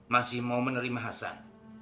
masih mau menerima hasan